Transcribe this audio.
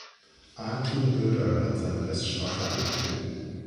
Akin Birdal hat seine Reststrafe angetreten.